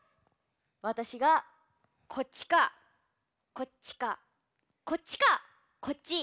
わたしがこっちかこっちかこっちかこっち。